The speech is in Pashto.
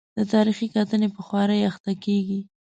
د تاریخي کتنې په خوارۍ اخته کېږي.